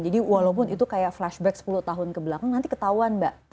jadi walaupun itu kayak flashback sepuluh tahun kebelakangan nanti ketahuan mbak